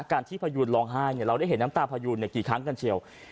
การที่พยูนร้องไห้เราได้เห็นน้ำตาพยูนกี่ครั้งกันเชียว